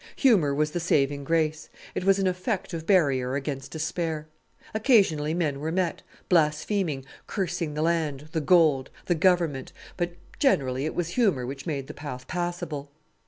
Humour was the saving grace; it was an effective barrier against despair. Occasionally men were met, blaspheming, cursing the land, the gold, the Government, but generally it was humour which made the path passable.